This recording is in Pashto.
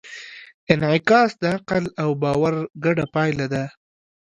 انعکاس د عقل او باور ګډه پایله ده.